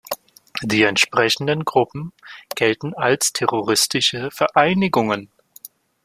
Die entsprechenden Gruppen gelten als terroristische Vereinigungen.